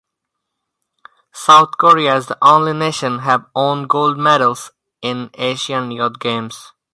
South Korea is the only nation have won gold medals in Asian Youth Games.